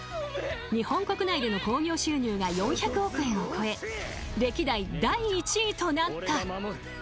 ［日本国内での興行収入が４００億円を超え歴代第１位となった］